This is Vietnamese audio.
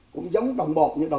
cũng giống đồng bộ như đó